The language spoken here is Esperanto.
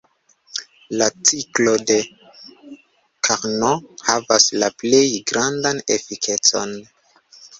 La ciklo de Carnot havas la plej grandan efikecon.